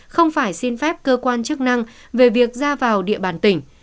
không phải xin phép cơ quan chức năng về việc ra vào địa bàn tỉnh